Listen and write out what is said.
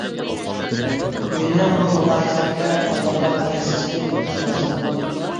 مېنىڭ بۇ مۇلاھىزەمگە قانداقراق قارايسىزكىن، ئۇستازىم؟